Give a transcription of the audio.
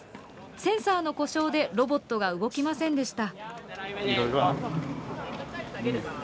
センサーの故障でロボットが動きませんでした。